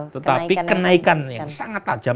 tetapi kenaikan yang sangat tajam